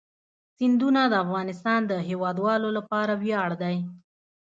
سیندونه د افغانستان د هیوادوالو لپاره ویاړ دی.